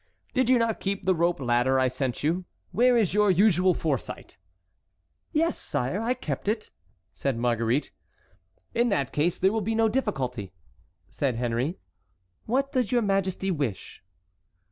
"Did you not keep the rope ladder I sent you? Where is your usual foresight?" "Yes, sire, I kept it," said Marguerite. "In that case there will be no difficulty," said Henry. "What does your majesty wish?"